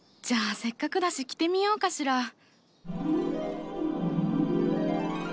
じゃあせっかくだし着てみようかしら。